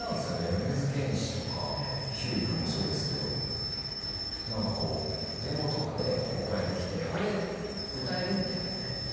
米津玄師とかひゅーい君もそうですけど何かこうデモとかで送られてきてこれ歌える？みたいな。